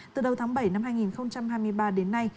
từ đầu tháng bảy năm hai nghìn hai mươi ba đến nay